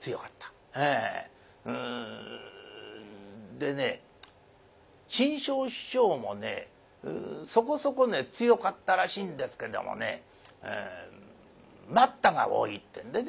でね志ん生師匠もねそこそこ強かったらしいんですけどもね「待った」が多いってんでね。